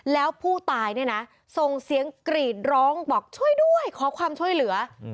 แล้วผู้ตายเนี่ยนะส่งเสียงกรีดร้องบอกช่วยด้วยขอความช่วยเหลือ